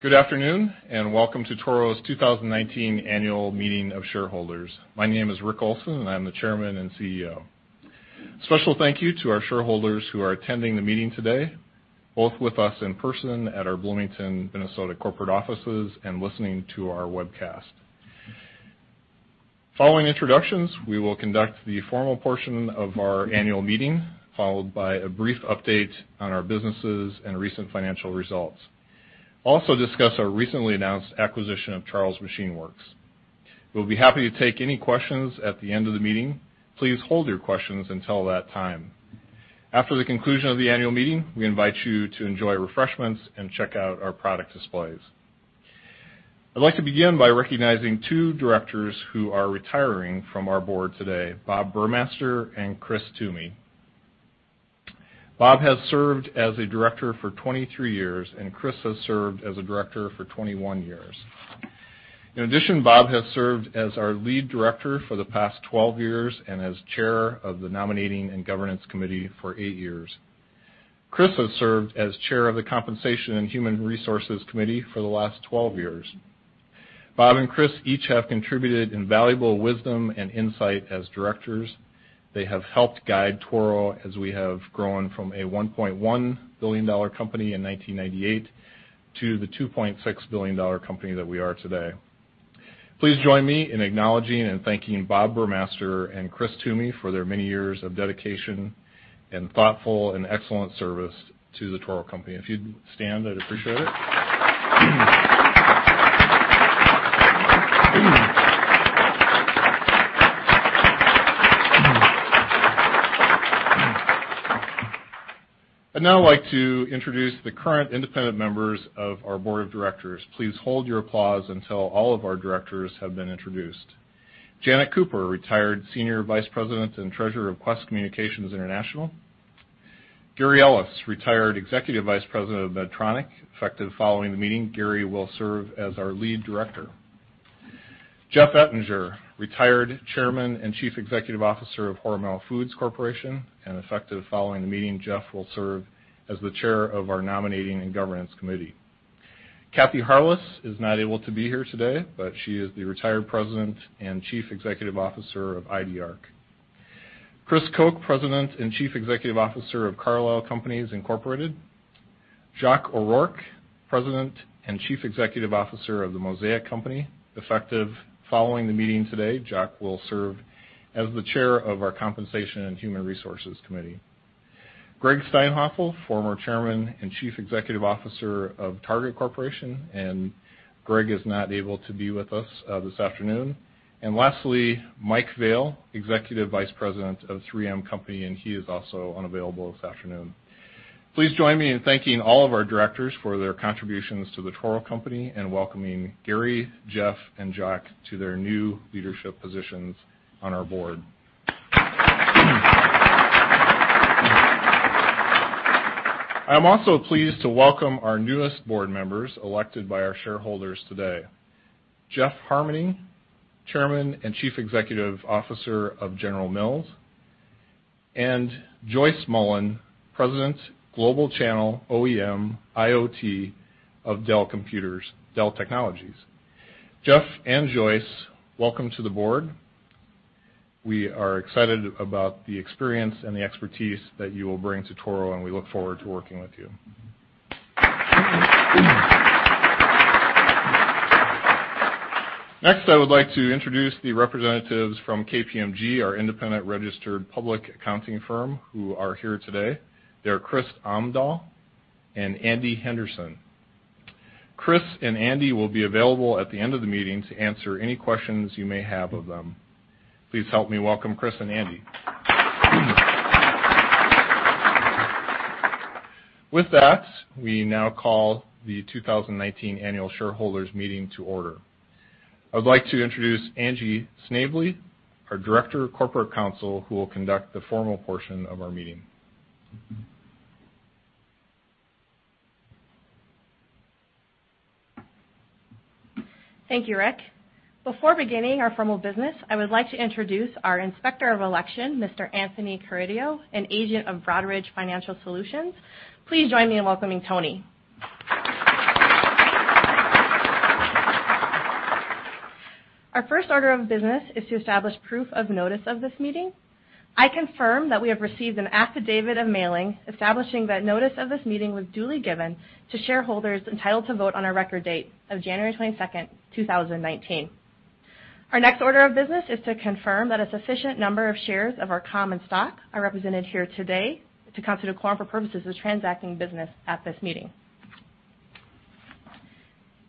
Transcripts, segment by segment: Good afternoon, welcome to Toro's 2019 Annual Meeting of Shareholders. My name is Rick Olson, and I'm the Chairman and Chief Executive Officer. Special thank you to our shareholders who are attending the meeting today, both with us in person at our Bloomington, Minnesota corporate offices and listening to our webcast. Following introductions, we will conduct the formal portion of our annual meeting, followed by a brief update on our businesses and recent financial results. We will also discuss our recently announced acquisition of Charles Machine Works. We'll be happy to take any questions at the end of the meeting. Please hold your questions until that time. After the conclusion of the annual meeting, we invite you to enjoy refreshments and check out our product displays. I'd like to begin by recognizing two directors who are retiring from our board today, Bob Buhrmaster and Chris Twomey. Bob has served as a director for 23 years. Chris has served as a director for 21 years. In addition, Bob has served as our Lead Director for the past 12 years and as chair of the Nominating and Governance Committee for eight years. Chris has served as chair of the Compensation and Human Resources Committee for the last 12 years. Bob and Chris each have contributed invaluable wisdom and insight as directors. They have helped guide Toro as we have grown from a $1.1 billion company in 1998 to the $2.6 billion company that we are today. Please join me in acknowledging and thanking Bob Buhrmaster and Chris Twomey for their many years of dedication and thoughtful and excellent service to The Toro Company. If you'd stand, I'd appreciate it. I'd now like to introduce the current independent members of our board of directors. Please hold your applause until all of our directors have been introduced. Janet Cooper, retired Senior Vice President and Treasurer of Qwest Communications International. Gary Ellis, retired Executive Vice President of Medtronic. Effective following the meeting, Gary will serve as our Lead Director. Jeff Ettinger, retired Chairman and Chief Executive Officer of Hormel Foods Corporation. Effective following the meeting, Jeff will serve as the chair of our Nominating and Governance Committee. Kathy Harless is not able to be here today, but she is the retired President and Chief Executive Officer of Idearc. Chris Koch, President and Chief Executive Officer of Carlisle Companies Incorporated. Joc O'Rourke, President and Chief Executive Officer of The Mosaic Company. Effective following the meeting today, Joc will serve as the chair of our Compensation and Human Resources Committee. Gregg Steinhafel, former Chairman and Chief Executive Officer of Target Corporation. Gregg is not able to be with us this afternoon. Lastly, Mike Vale, Executive Vice President of 3M Company. He is also unavailable this afternoon. Please join me in thanking all of our directors for their contributions to The Toro Company and welcoming Gary, Jeff, and Joc to their new leadership positions on our board. I'm also pleased to welcome our newest board members elected by our shareholders today. Jeff Harmening, Chairman and Chief Executive Officer of General Mills. Joyce Mullen, President, Global Channel, OEM, IoT of Dell Computers, Dell Technologies. Jeff and Joyce, welcome to the board. We are excited about the experience and the expertise that you will bring to Toro, and we look forward to working with you. Next, I would like to introduce the representatives from KPMG, our independent registered public accounting firm, who are here today. They're Chris Omdahl and Andy Henderson. Chris and Andy will be available at the end of the meeting to answer any questions you may have of them. Please help me welcome Chris and Andy. With that, we now call the 2019 Annual Shareholders Meeting to order. I would like to introduce Angie Snavely, our Director of Corporate Counsel, who will conduct the formal portion of our meeting. Thank you, Rick. Before beginning our formal business, I would like to introduce our Inspector of Election, Mr. Anthony Carideo, an agent of Broadridge Financial Solutions. Please join me in welcoming Tony. Our first order of business is to establish proof of notice of this meeting. I confirm that we have received an affidavit of mailing establishing that notice of this meeting was duly given to shareholders entitled to vote on our record date of January 22nd, 2019. Our next order of business is to confirm that a sufficient number of shares of our common stock are represented here today to constitute a quorum for purposes of transacting business at this meeting.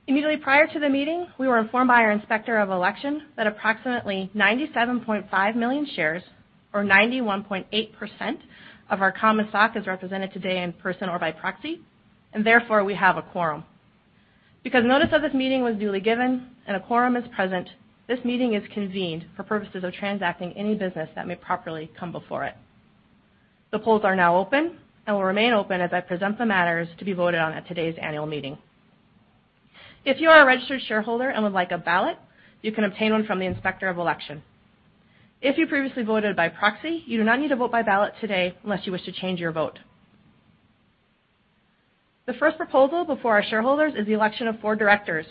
Immediately prior to the meeting, we were informed by our Inspector of Election that approximately 97.5 million shares or 91.8% of our common stock is represented today in person or by proxy, and therefore, we have a quorum. Because notice of this meeting was duly given and a quorum is present, this meeting is convened for purposes of transacting any business that may properly come before it. The polls are now open and will remain open as I present the matters to be voted on at today's annual meeting. If you are a registered shareholder and would like a ballot, you can obtain one from the Inspector of Election. If you previously voted by proxy, you do not need to vote by ballot today unless you wish to change your vote. The first proposal before our shareholders is the election of four directors,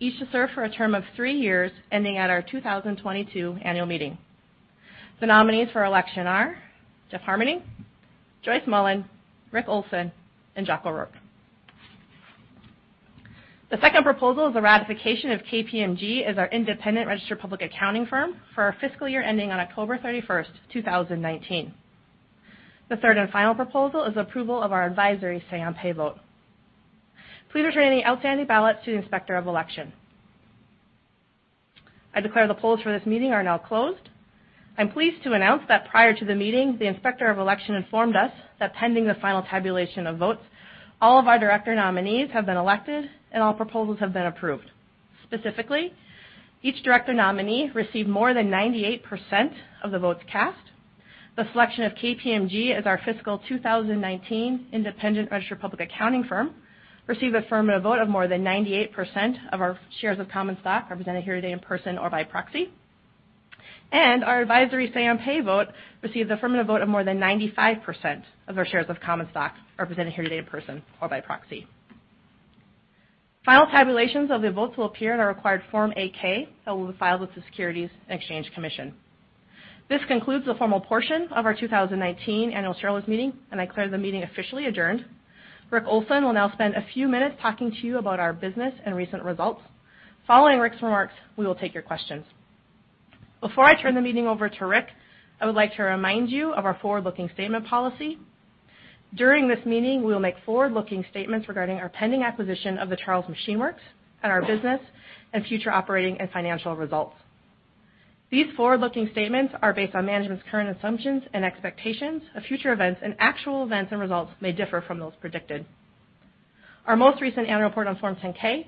each to serve for a term of three years ending at our 2022 annual meeting. The nominees for election are Jeff Harmening, Joyce Mullen, Rick Olson, and Joc O'Rourke. The second proposal is a ratification of KPMG as our independent registered public accounting firm for our fiscal year ending on October 31st, 2019. The third and final proposal is approval of our advisory say on pay vote. Please return any outstanding ballots to the Inspector of Election. I declare the polls for this meeting are now closed. I'm pleased to announce that prior to the meeting, the Inspector of Election informed us that pending the final tabulation of votes, all of our director nominees have been elected and all proposals have been approved. Specifically, each director nominee received more than 98% of the votes cast. The selection of KPMG as our fiscal 2019 independent registered public accounting firm received affirmative vote of more than 98% of our shares of common stock represented here today in person or by proxy. Our advisory say on pay vote received affirmative vote of more than 95% of our shares of common stock represented here today in person or by proxy. Final tabulations of the votes will appear in our required Form 8-K that we will file with the Securities and Exchange Commission. This concludes the formal portion of our 2019 annual shareholders meeting, and I declare the meeting officially adjourned. Rick Olson will now spend a few minutes talking to you about our business and recent results. Following Rick's remarks, we will take your questions. Before I turn the meeting over to Rick, I would like to remind you of our forward-looking statement policy. During this meeting, we will make forward-looking statements regarding our pending acquisition of the Charles Machine Works and our business and future operating and financial results. These forward-looking statements are based on management's current assumptions and expectations of future events, and actual events and results may differ from those predicted. Our most recent annual report on Form 10-K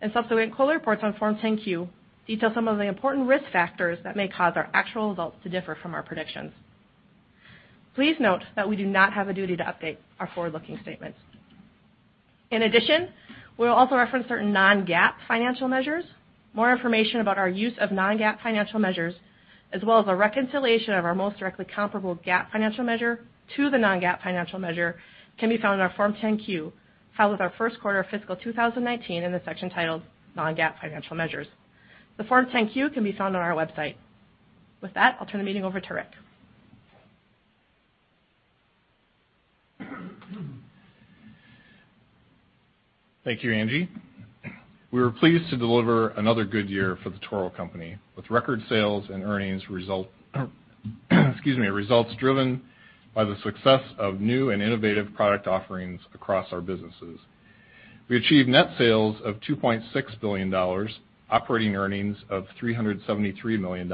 and subsequent quarterly reports on Form 10-Q detail some of the important risk factors that may cause our actual results to differ from our predictions. Please note that we do not have a duty to update our forward-looking statements. In addition, we will also reference certain non-GAAP financial measures. More information about our use of non-GAAP financial measures, as well as a reconciliation of our most directly comparable GAAP financial measure to the non-GAAP financial measure can be found in our Form 10-Q, filed with our first quarter fiscal 2019 in the section titled Non-GAAP Financial Measures. The Form 10-Q can be found on our website. With that, I will turn the meeting over to Rick. Thank you, Angie. We were pleased to deliver another good year for The Toro Company with record sales and earnings results driven by the success of new and innovative product offerings across our businesses. We achieved net sales of $2.6 billion, operating earnings of $373 million,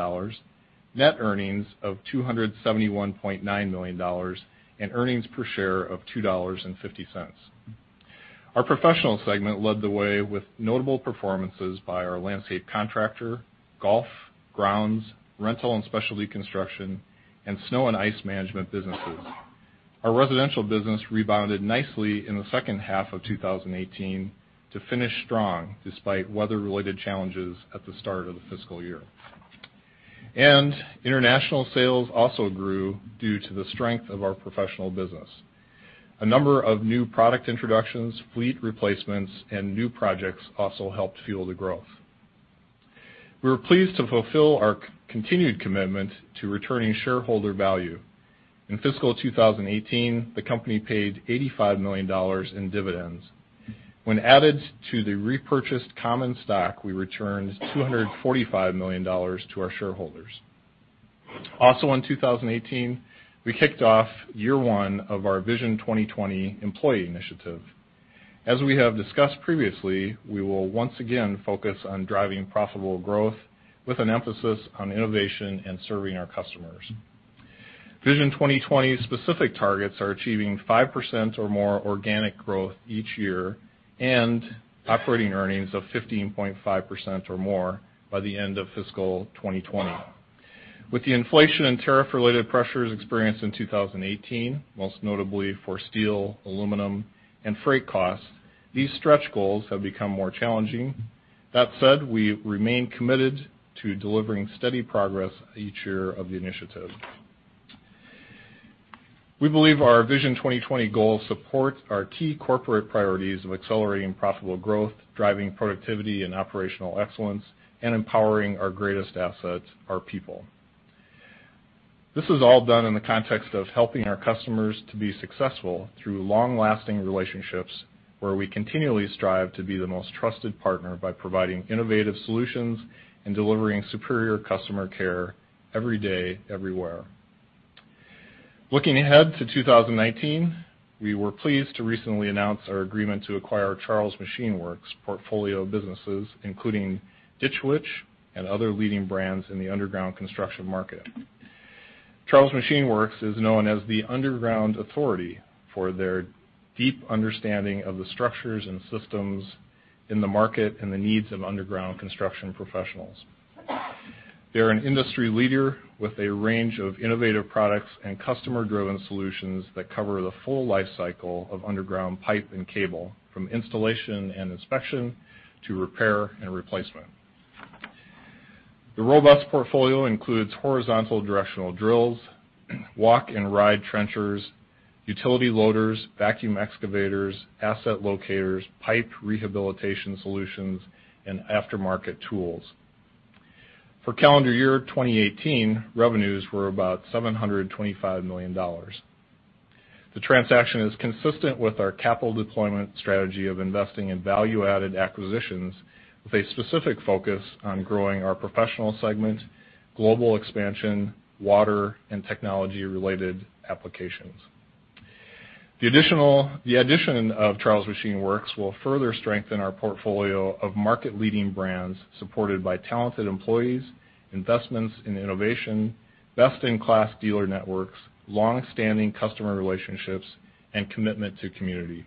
net earnings of $271.9 million, and earnings per share of $2.50. Our Professional segment led the way with notable performances by our landscape contractor, golf, grounds, rental and specialty construction, and snow and ice management businesses. Our residential business rebounded nicely in the second half of 2018 to finish strong despite weather-related challenges at the start of the fiscal year. International sales also grew due to the strength of our professional business. A number of new product introductions, fleet replacements, and new projects also helped fuel the growth. We were pleased to fulfill our continued commitment to returning shareholder value. In fiscal 2018, the company paid $85 million in dividends. When added to the repurchased common stock, we returned $245 million to our shareholders. Also in 2018, we kicked off year one of our Vision 2020 employee initiative. As we have discussed previously, we will once again focus on driving profitable growth with an emphasis on innovation and serving our customers. Vision 2020 specific targets are achieving 5% or more organic growth each year and operating earnings of 15.5% or more by the end of fiscal 2020. With the inflation and tariff-related pressures experienced in 2018, most notably for steel, aluminum, and freight costs, these stretch goals have become more challenging. That said, we remain committed to delivering steady progress each year of the initiative. We believe our Vision 2020 goals support our key corporate priorities of accelerating profitable growth, driving productivity and operational excellence, and empowering our greatest assets, our people. This is all done in the context of helping our customers to be successful through long-lasting relationships, where we continually strive to be the most trusted partner by providing innovative solutions and delivering superior customer care every day, everywhere. Looking ahead to 2019, we were pleased to recently announce our agreement to acquire Charles Machine Works portfolio of businesses, including Ditch Witch and other leading brands in the underground construction market. Charles Machine Works is known as the underground authority for their deep understanding of the structures and systems in the market and the needs of underground construction professionals. They're an industry leader with a range of innovative products and customer-driven solutions that cover the full life cycle of underground pipe and cable, from installation and inspection to repair and replacement. The robust portfolio includes horizontal directional drills, walk and ride trenchers, utility loaders, vacuum excavators, asset locators, pipe rehabilitation solutions, and aftermarket tools. For calendar year 2018, revenues were about $725 million. The transaction is consistent with our capital deployment strategy of investing in value-added acquisitions, with a specific focus on growing our professional segment, global expansion, water and technology-related applications. The addition of Charles Machine Works will further strengthen our portfolio of market-leading brands supported by talented employees, investments in innovation, best-in-class dealer networks, long-standing customer relationships, and commitment to community.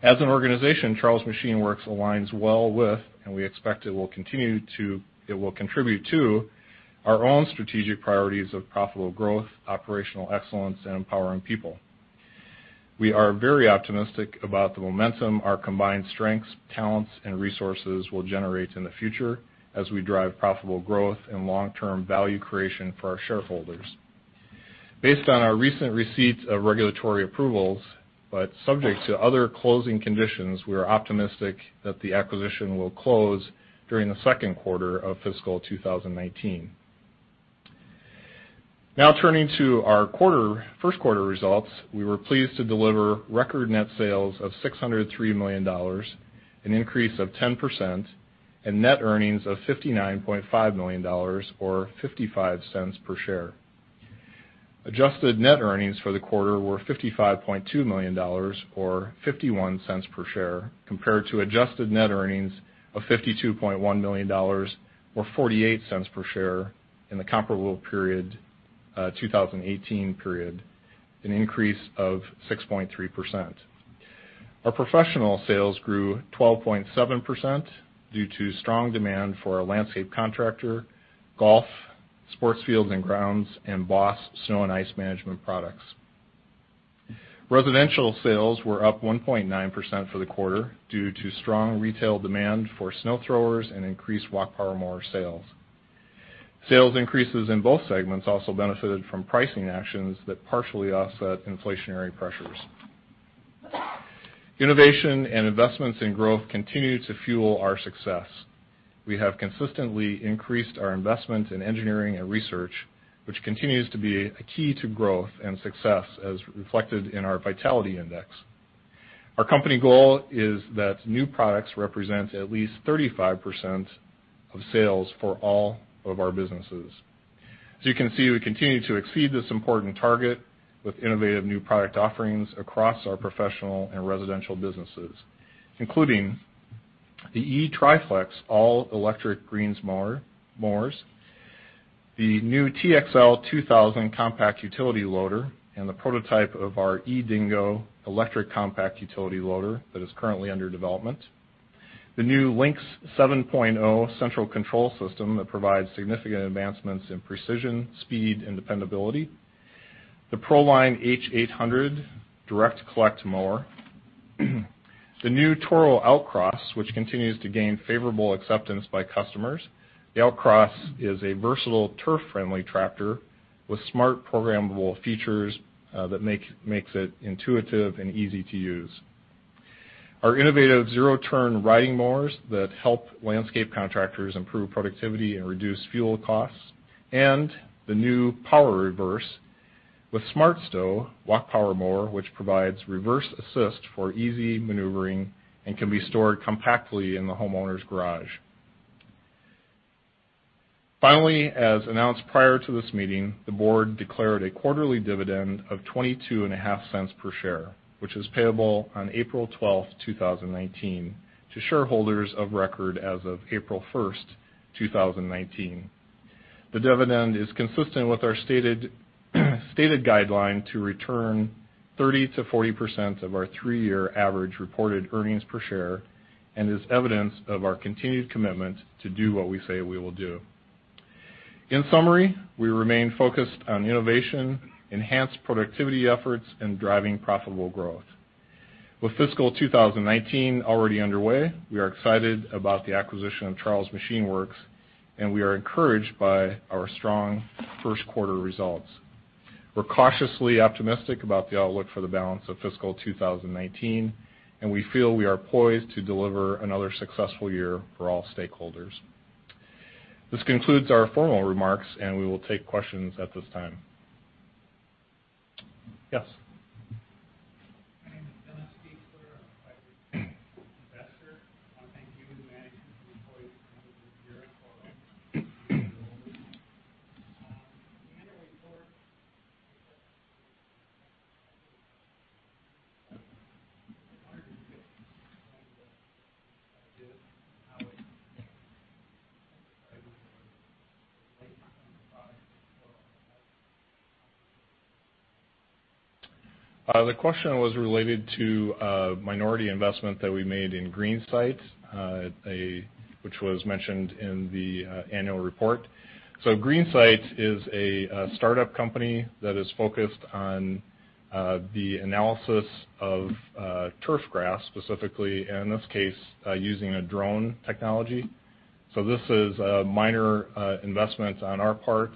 As an organization, Charles Machine Works aligns well with, and we expect it will contribute to, our own strategic priorities of profitable growth, operational excellence, and empowering people. We are very optimistic about the momentum our combined strengths, talents, and resources will generate in the future as we drive profitable growth and long-term value creation for our shareholders. Based on our recent receipt of regulatory approvals, but subject to other closing conditions, we are optimistic that the acquisition will close during the second quarter of fiscal 2019. Turning to our first quarter results, we were pleased to deliver record net sales of $603 million, an increase of 10%, and net earnings of $59.5 million or $0.55 per share. Adjusted net earnings for the quarter were $55.2 million or $0.51 per share compared to adjusted net earnings of $52.1 million or $0.48 per share in the comparable period, 2018 period, an increase of 6.3%. Our professional sales grew 12.7% due to strong demand for our landscape contractor, golf, sports fields and grounds, and BOSS snow and ice management products. Residential sales were up 1.9% for the quarter due to strong retail demand for snow throwers and increased walk power mower sales. Sales increases in both segments also benefited from pricing actions that partially offset inflationary pressures. Innovation and investments in growth continue to fuel our success. We have consistently increased our investment in engineering and research, which continues to be a key to growth and success as reflected in our Vitality Index. Our company goal is that new products represent at least 35% of sales for all of our businesses. As you can see, we continue to exceed this important target with innovative new product offerings across our professional and residential businesses, including the eTriFlex all-electric greens mowers, the new TXL 2000 compact utility loader, and the prototype of our eDingo electric compact utility loader that is currently under development. The new Lynx 7.0 central control system that provides significant advancements in precision, speed, and dependability. The ProLine H800 direct collect mower. The new Toro Outcross, which continues to gain favorable acceptance by customers. The Outcross is a versatile turf-friendly tractor with smart programmable features that makes it intuitive and easy to use. Our innovative zero-turn riding mowers that help landscape contractors improve productivity and reduce fuel costs, the new PoweReverse with SmartStow walk power mower, which provides reverse assist for easy maneuvering and can be stored compactly in the homeowner's garage. Finally, as announced prior to this meeting, the board declared a quarterly dividend of $0.225 per share, which is payable on April 12th, 2019, to shareholders of record as of April 1st, 2019. The dividend is consistent with our stated guideline to return 30%-40% of our three-year average reported earnings per share, is evidence of our continued commitment to do what we say we will do. In summary, we remain focused on innovation, enhanced productivity efforts, and driving profitable growth. With fiscal 2019 already underway, we are excited about the acquisition of Charles Machine Works, we are encouraged by our strong first quarter results. We're cautiously optimistic about the outlook for the balance of fiscal 2019, we feel we are poised to deliver another successful year for all stakeholders. This concludes our formal remarks, we will take questions at this time. Yes. My name is Dennis. I'm a private investor. I want to thank you and the management employees for your annual report. The question was related to a minority investment that we made in GreenSight, which was mentioned in the annual report. GreenSight is a startup company that is focused on the analysis of turfgrass, specifically, and in this case, using a drone technology. This is a minor investment on our part.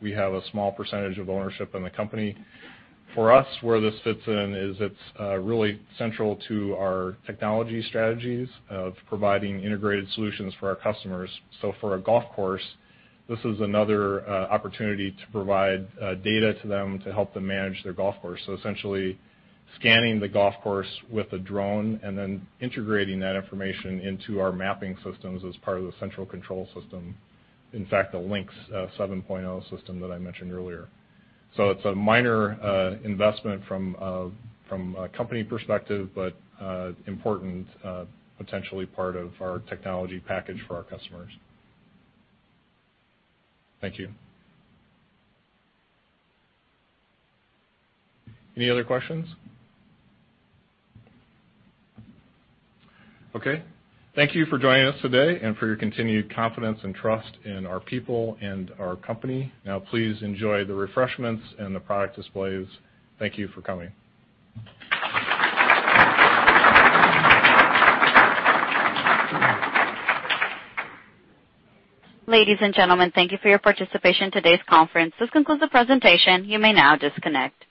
We have a small percentage of ownership in the company. For us, where this fits in is it's really central to our technology strategies of providing integrated solutions for our customers. For a golf course, this is another opportunity to provide data to them to help them manage their golf course. Essentially scanning the golf course with a drone and then integrating that information into our mapping systems as part of the central control system. In fact, the Lynx 7.0 system that I mentioned earlier. It's a minor investment from a company perspective, but important, potentially part of our technology package for our customers. Thank you. Any other questions? Okay. Thank you for joining us today and for your continued confidence and trust in our people and our company. Now, please enjoy the refreshments and the product displays. Thank you for coming. Ladies and gentlemen, thank you for your participation in today's conference. This concludes the presentation. You may now disconnect.